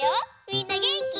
みんなげんき？